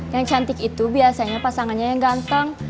yang cantik itu biasanya pasangannya yang ganteng